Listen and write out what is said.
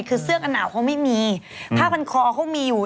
คือเสื้อกันหนาวเขาไม่มีผ้าพันคอเขามีอยู่